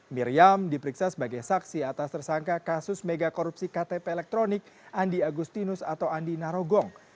miriam diperiksa sebagai saksi atas tersangka kasus mega korupsi ktp elektronik andi agustinus atau andi narogong